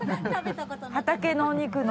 畑のお肉の。